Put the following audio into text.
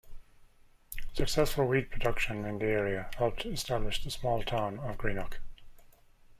Successful wheat production in the area helped establish the small town of Greenough.